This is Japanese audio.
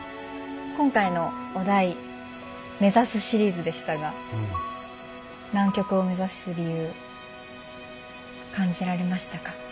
今回のお題目指すシリーズでしたが南極を目指す理由感じられましたか？